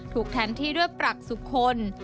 ถูกแทนที่ด้วยปรักษุคน